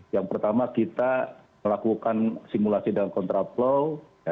yang pertama kita melakukan simulasi dengan contra flow